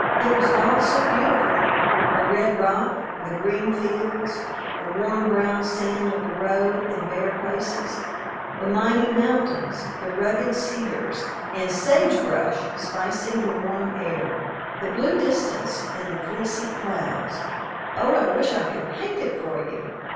It was all so beautiful, the red rock, the green fields, the warm brown sand of the road and bare places, the mighty mountains, the rugged cedars and sage brush spicing the warm air, the blue distance and the fleecy clouds. Oh, I wish I could paint it for you!